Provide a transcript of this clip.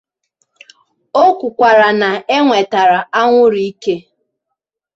O kwukwara na e nwetara anwụrụ ike